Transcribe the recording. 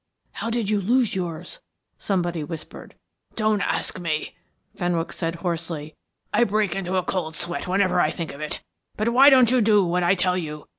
"How did you lose yours?" somebody whispered. "Don't ask me," Fenwick said hoarsely. "I break into a cold sweat whenever I think of it. But why don't you do what I tell you?